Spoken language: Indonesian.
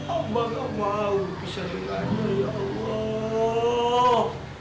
amah gak mau pisah dengan dia ya allah